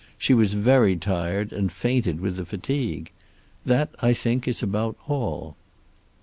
She was very tired and fainted with the fatigue. That I think is about all."